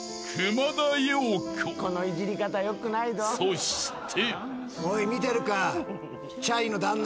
［そして］